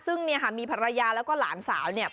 ซึ่งเนี่ยค่ะมีภรรยาแล้วก็หลานสาวเนี่ย